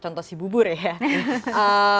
contoh si bubur ya